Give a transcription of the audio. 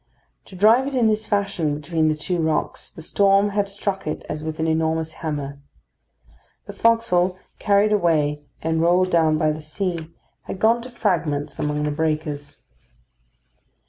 To drive it in this fashion between the two rocks, the storm had struck it as with an enormous hammer. The forecastle carried away and rolled down by the sea, had gone to fragments among the breakers.